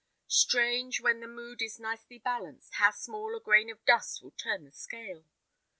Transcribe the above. Strange, when the mood is nicely balanced, how small a grain of dust will turn the scale!